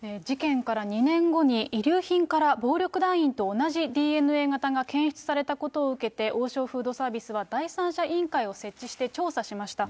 事件から２年後に、遺留品から暴力団員と同じＤＮＡ型が検出されたことを受けて、王将フードサービスは第三者委員会を設置して調査しました。